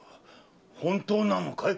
本当なのかい？